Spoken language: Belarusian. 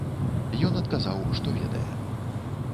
Ён адказаў, што ведае.